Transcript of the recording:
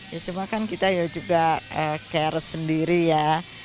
ya cuma kan kita ya juga care sendiri ya